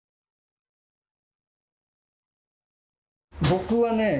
僕はねえ